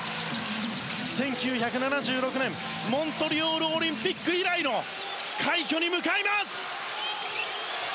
１９７６年、モントリオールオリンピック以来の快挙に向かいます！